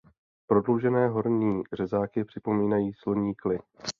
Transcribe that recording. Prodloužené horní řezáky připomínají sloní kly.